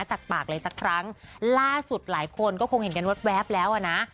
จากปากเลยสักครั้งล่าสุดหลายคนก็คงเห็นกันแวบแล้วอ่ะนะ